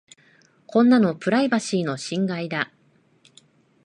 こんなのプライバシーの侵害だ。